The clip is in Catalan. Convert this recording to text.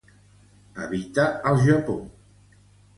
Habita al Japó.